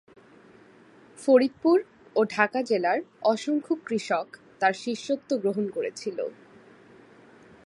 ফরিদপুর ও ঢাকা জেলার অসংখ্য কৃষক তার শিষ্যত্ব গ্রহণ করেছিল।